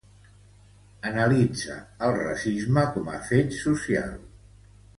Analitza el racisme com a fet social.